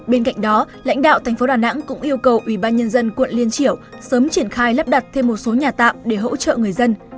bên cạnh đó lãnh đạo tp đà nẵng cũng yêu cầu ubnd quận liên triểu sớm triển khai lắp đặt thêm một số nhà tạm để hỗ trợ người dân